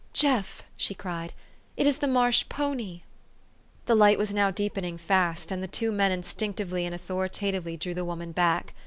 " Jeff! " she cried, " it is the marsh pony !" The light was now deepening fast, and the two men instinctively and authoritatively drew the woman back.